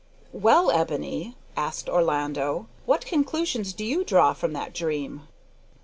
"Well, Ebony," asked Orlando, "what conclusions do you draw from that dream?"